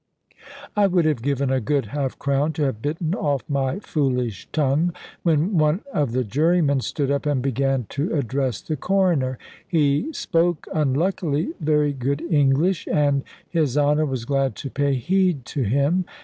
I would have given a good half crown to have bitten off my foolish tongue, when one of the jurymen stood up and began to address the Coroner. He spoke, unluckily, very good English, and his Honour was glad to pay heed to him.